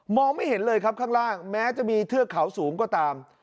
ไม่เห็นเลยครับข้างล่างแม้จะมีเทือกเขาสูงก็ตาม